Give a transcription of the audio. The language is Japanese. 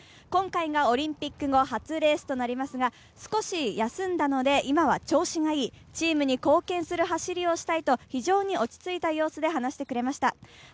今回がオリンピック後初レースとなりますが、少し休んだので今は調子がいいチームに貢献する走りをしたいと、非常に落ち着いた様子で話してくれました。